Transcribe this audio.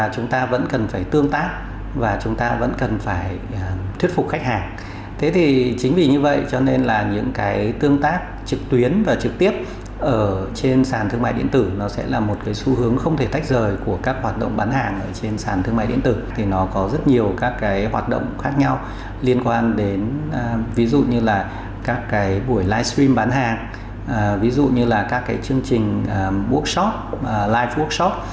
các buổi live stream bán hàng ví dụ như là các chương trình live workshop